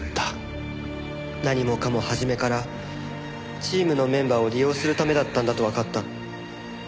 何もかも初めからチームのメンバーを利用するためだったんだとわかった。